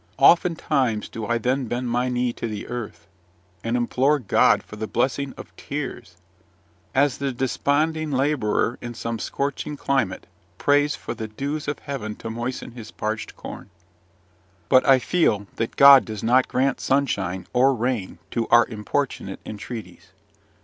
Oftentimes do I then bend my knee to the earth, and implore God for the blessing of tears, as the desponding labourer in some scorching climate prays for the dews of heaven to moisten his parched corn. But I feel that God does not grant sunshine or rain to our importunate entreaties.